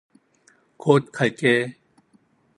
곧 갈게.